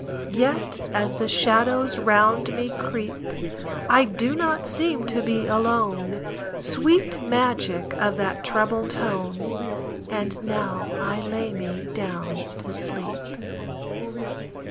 Yet, as the shadows round me creep, I do not seem to be alone Sweet magic of that treble tone And "Now I lay me down to sleep!"